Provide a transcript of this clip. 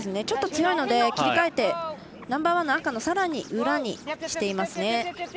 ちょっと強いので切り替えてナンバーワンの赤のさらに裏にしていますね。